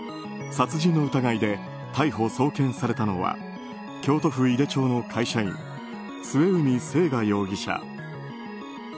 殺人の疑いで逮捕・送検されたのは京都府井手町の会社員末海征河容疑者。